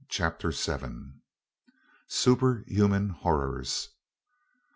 CHAPTER VII. SUPERHUMAN HORRORS.